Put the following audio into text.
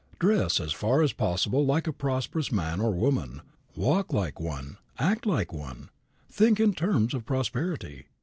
Dress as far as possible like a prosperous man or woman, walk like one, act like one, think in terms of prosperity.